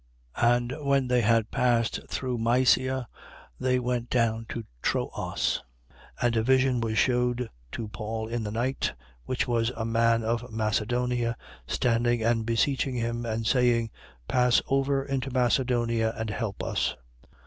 16:8. And when they had passed through Mysia, they went down to Troas. 16:9. And a vision was shewed to Paul in the night, which was a man of Macedonia standing and beseeching him and saying: Pass over into Macedonia and help us.